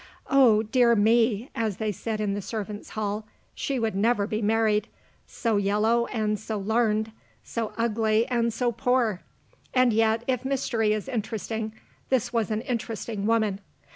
Oh, dear me (as they said in the servants' hall), she would never be married so yellow and so learned, so ugly and so poor! And yet, if mystery is interesting, this was an interesting woman.